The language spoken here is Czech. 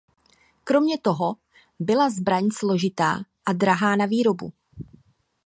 Kromě toho byla zbraň složitá a drahá na výrobu.